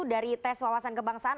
dari tes wawasan kebangsaan